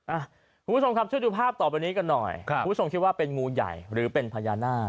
คุณผู้ชมครับช่วยดูภาพต่อไปนี้กันหน่อยครับคุณผู้ชมคิดว่าเป็นงูใหญ่หรือเป็นพญานาค